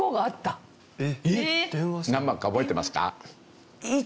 何番か覚えてますか？